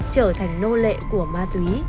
cụ thể nào về sự tàn phá